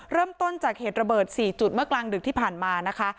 เริ่มต้นจากเหตุระเบิด๔จุดเมื่อกลางดึกที่ผ่านมานะคะ